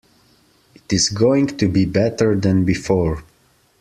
It is going to be better than before.